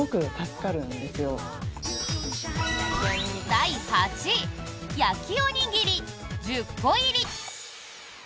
第８位焼おにぎり１０個入。